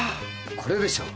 これでしょ？